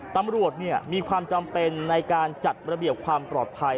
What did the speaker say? ตำรวจมีความจำเป็นในการจัดระเบียบความปลอดภัย